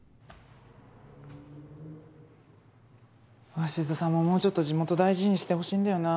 鷲津さんももうちょっと地元大事にしてほしいんだよな。